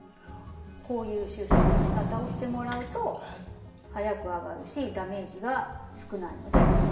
こういう修正のしかたをしてもらうと早く上がるしダメージが少ないので。